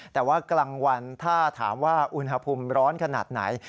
แต่ว่ากลางวันถ้าถามว่าอุณหภูมิร้อนขนาดไหน